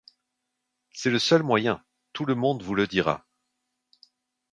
C’est le seul moyen, tout le monde vous le dira.